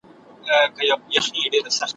سره لمبه سم چي نه وینې نه مي اورې په غوږونو `